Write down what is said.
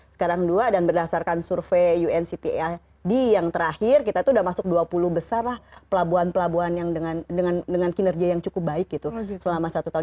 sekarang dua dan berdasarkan survei unctad yang terakhir kita sudah masuk dua puluh besar pelabuhan pelabuhan dengan kinerja yang cukup baik selama satu tahun